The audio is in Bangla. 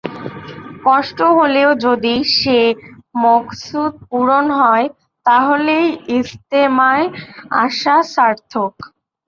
কষ্ট হলেও যদি সেই মকসুদ পূরণ হয়, তাহলেই ইজতেমায় আসা সার্থক।